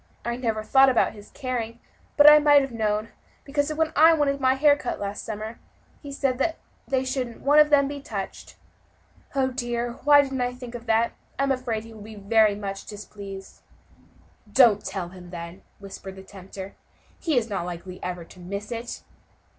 I never thought about his caring, but I might have known, because when I wanted my hair cut last summer, he said they shouldn't one of them be touched. Oh! dear, why didn't I think of that? I am afraid he will be very much displeased." "Don't tell him, then," whispered the tempter, "he is not likely ever to miss it."